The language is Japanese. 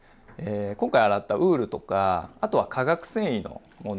今回洗ったウールとかあとは化学繊維の物